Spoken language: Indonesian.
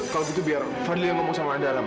kalau begitu biar fadil yang ngomong sama andara ma